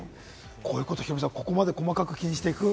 こういうことをヒロミさん、ここまで気にしていくと。